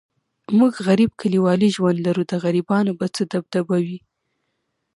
موږ غریب کلیوالي ژوند لرو، د غریبانو به څه دبدبه وي.